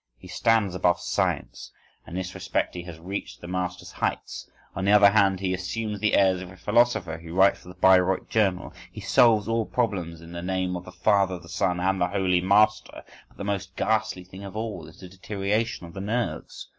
He stands above science, and in this respect he has reached the master's heights. On the other hand, he assumes the airs of a philosopher, he writes for the Bayreuth Journal; he solves all problems in the name of the Father, the Son, and the Holy Master. But the most ghastly thing of all is the deterioration of the nerves.